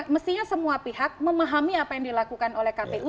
mestinya semua pihak memahami apa yang dilakukan oleh kpu